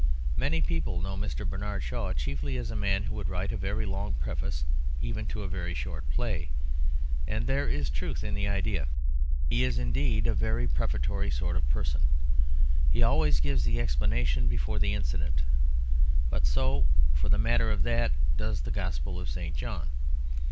Many people know Mr. Bernard Shaw chiefly as a man who would write a very long preface even to a very short play. And there is truth in the idea; he is indeed a very prefatory sort of person. He always gives the explanation before the incident; but so, for the matter of that, does the Gospel of St. John.